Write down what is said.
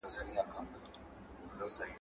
تاسي باید د ساینس په برخه کې خپلې پوښتنې مطرح کړئ.